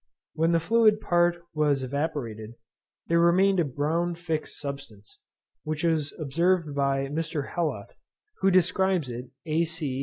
When the fluid part was evaporated, there remained a brown fixed substance, which was observed by Mr. Hellot, who describes it, Ac.